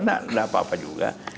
nggak apa apa juga